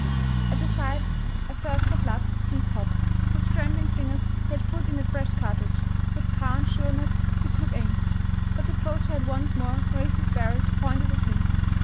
At the sight a thirst for blood seized Hopp. With trembling fingers he had put in a fresh cartridge ; with calm sureness he took aim. But the poacher had once more raised his barrel to point it at him.